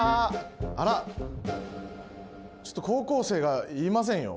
あらちょっと高校生がいませんよ。